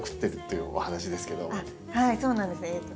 はいそうなんです。